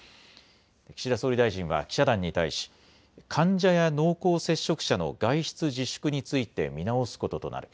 岸田総理大臣は記者団に対し患者や濃厚接触者の外出自粛について見直すこととなる。